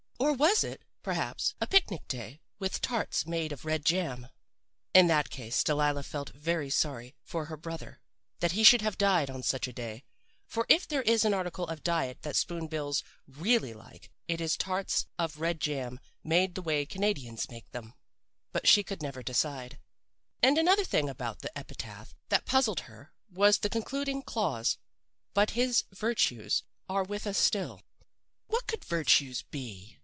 Or was it, perhaps, a picnic day with tarts made of red jam? In that case Delilah felt very sorry for her brother that he should have died on such a day, for if there is an article of diet that spoon bills really like it is tarts of red jam made the way Canadians make them. "But she never could decide. "And another thing about the epitaph that puzzled her was the concluding clause 'but his virtues are with us still.' What could virtues be?